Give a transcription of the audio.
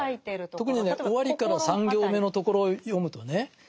特にね終わりから３行目のところを読むとね